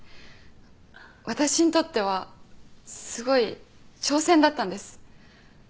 私にとってはすごい挑戦だったんです。